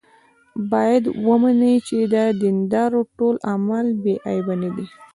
باید ومني چې د دیندارو ټول اعمال بې عیبه نه دي.